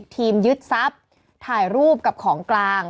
ยึดทรัพย์ถ่ายรูปกับของกลาง